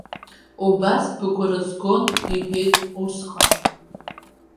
Убас быгәра згон, иҳәеит, усҟан.